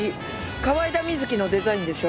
河井田瑞希のデザインでしょ？